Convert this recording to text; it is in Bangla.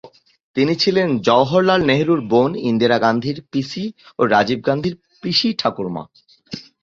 তিনি ছিলেন জওহরলাল নেহেরুর বোন, ইন্দিরা গান্ধীর পিসি ও রাজীব গান্ধীর পিসি-ঠাকুরমা।